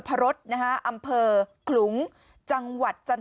พี่ทำยังไงฮะ